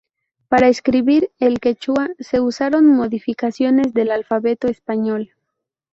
Para escribir el quechua se usaron modificaciones del alfabeto español.